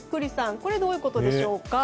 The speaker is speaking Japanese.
これ、どういうことでしょうか。